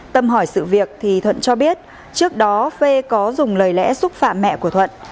tâm hỏi sự việc thì thuận cho biết trước đó phê có dùng lời lẽ xúc phạm mẹ của thuận